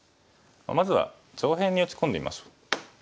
まずは上辺に打ち込んでみましょう。